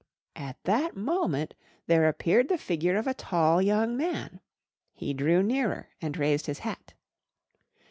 At that moment there appeared the figure of a tall young man. He drew nearer and raised his hat.